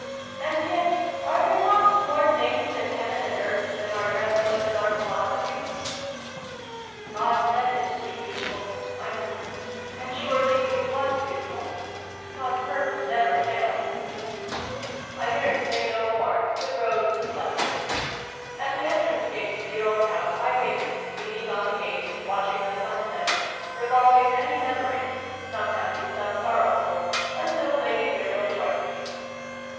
And yet, are there not ' more things in heaven and earth than are dreamt of in oiir philosophy '?" God meant it to be beautiful," I whispered, " and surely it was beautiful ? God's purpose never fails !" I dared say no more, but rose and left her. At the entrance gate to the Earl's house I waited, leaning on the gate and watching the sun set, revolving many memories some happy, some sorrowful until Lady Muriel joined me.